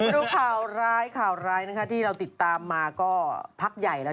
ดูข่าวร้ายข่าวร้ายนะคะที่เราติดตามมาก็พักใหญ่แล้ว